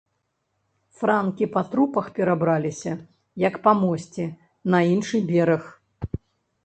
Франкі па трупах перабраліся, як па мосце, на іншы бераг.